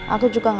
aku juga gak tau